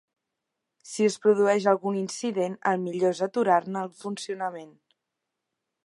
Si es produeix algun incident, el millor és aturar-ne el funcionament.